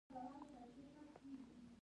همدا ملت، اولسونه او خلک وو.